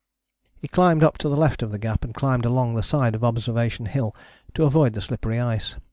He climbed up to the left of the Gap and climbed along the side of Observation Hill to avoid the slippery ice.